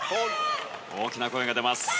大きな声が出ます。